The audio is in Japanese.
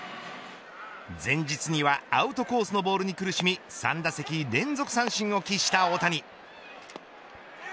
前日にはアウトコースのボールに苦しみ３打席連続三振を喫した大谷。